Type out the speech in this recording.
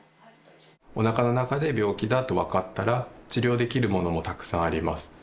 おなかの中で病気だと分かったら、治療できるものもたくさんあります。